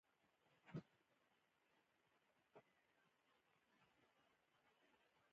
عام خلک سپک مه ګڼئ!